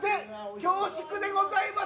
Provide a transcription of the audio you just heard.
恐縮でございます。